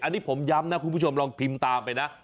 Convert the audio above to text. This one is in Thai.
อันนี้ผมย้ำนะคุณผู้ชมลองพิมพ์ตามไปนะ